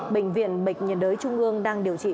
bệnh viện bệnh nhiệt đới trung ương đang điều trị